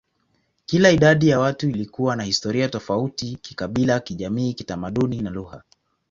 Kila idadi ya watu ilikuwa na historia tofauti kikabila, kijamii, kitamaduni, na lugha.